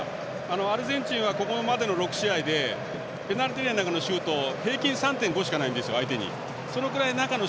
アルゼンチンはここまでの６試合でペナルティーエリアの中のシュートを平均３．５しか相手に与えてないんです。